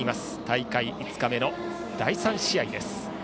大会５日目の第３試合です。